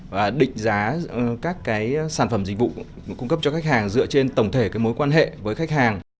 và định giá các cái sản phẩm dịch vụ cung cấp cho khách hàng dựa trên tổng thể mối quan hệ với khách hàng